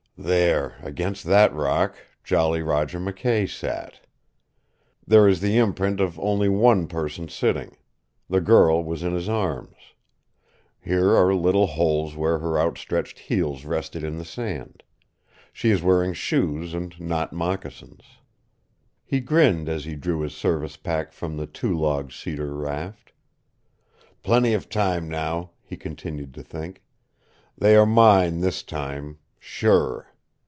"There, against that rock, Jolly Roger McKay sat There is the imprint of only one person sitting. The girl was in his arms. Here are little holes where her outstretched heels rested in the sand. She is wearing shoes and not moccasins." He grinned as he drew his service pack from the two log cedar raft. "Plenty of time now," he continued to think. "They are mine this time sure.